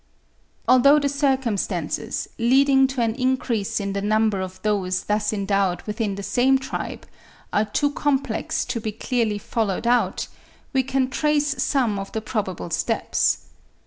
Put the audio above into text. Although the circumstances, leading to an increase in the number of those thus endowed within the same tribe, are too complex to be clearly followed out, we can trace some of the probable steps.